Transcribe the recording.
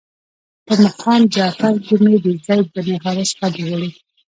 په مقام جعفر کې مې د زید بن حارثه قبر ولید.